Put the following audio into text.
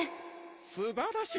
すばらしい！